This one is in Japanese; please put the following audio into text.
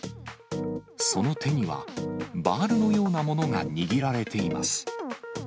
その手には、バールのようなものが握られています。